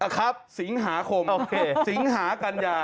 ครับสิงหาคมสิงหากัญญา